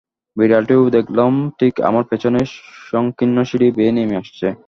বিড়ালটিও দেখলাম ঠিক আমার পেছনেই সংকীর্ণ সিঁড়ি বেয়ে নেমে আসছে।